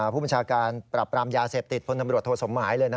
ผู้บัญชาการปรับปรามยาเสพติดพลตำรวจโทสมหมายเลยนะ